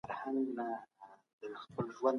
خيانت کول بدترين کار دی.